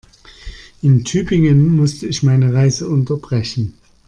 In Tübingen musste ich meine Reise unterbrechen